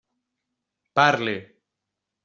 Parli!